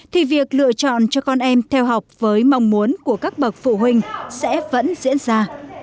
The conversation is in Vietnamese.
thì việc lựa chọn cho con em theo học với mong muốn của các bậc phụ huynh sẽ vẫn diễn ra